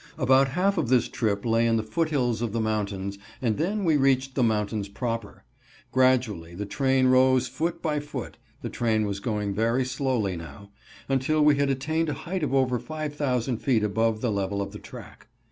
About half of this trip lay in the foothills of the mountains, and then we reached the mountains proper. Gradually the train rose foot by foot (the train was going very slowly now) until we had attained a height of over 5,000 feet above the level of the track.